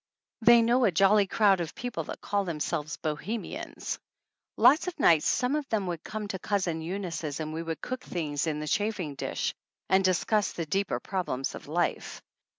They know a jolly crowd of people that call themselves "Bohemians." Lots of nights some of them would come to Cousin Eunice's and we would cook things in the chafing dish and "discuss the deeper problems of life."